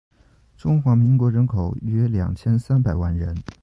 中华民国人口约二千三百万人